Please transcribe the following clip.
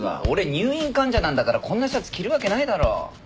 俺入院患者なんだからこんなシャツ着るわけないだろ。